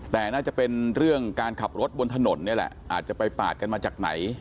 แต่น่าจะเป็นเรื่องการขับรถบนถนนนี่แหละอาจจะไปปาดกันมาจากไหน